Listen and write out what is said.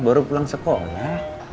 baru pulang sekolah